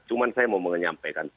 cuma saya mau menyampaikan